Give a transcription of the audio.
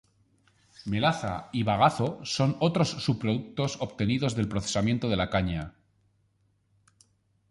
Melaza y bagazo son otros subproductos obtenidos del procesamiento de la caña.